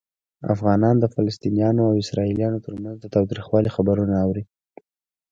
افغانان د فلسطینیانو او اسرائیلیانو ترمنځ د تاوتریخوالي خبرونه اوري.